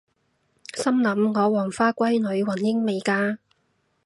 心諗我黃花閨女雲英未嫁！？